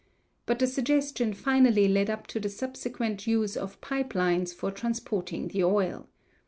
But the suggestion finally led up to the subsequent use of pipe lines for transporting the oil.